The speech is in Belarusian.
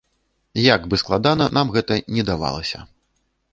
Як бы складана нам гэта ні давалася.